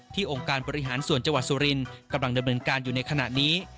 องค์การบริหารส่วนจังหวัดสุรินทร์กำลังดำเนินการอยู่ในขณะนี้